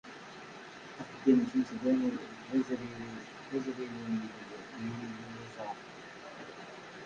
Axeddim-nsent d azriri n yinuẓar.